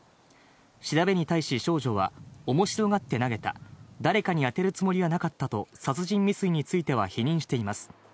調べに対し、少女は、おもしろがって投げた、誰かに当てるつもりはなかったと殺人未遂については否認しています。